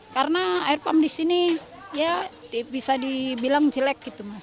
karena air pump disini ya bisa dibilang jelek gitu mas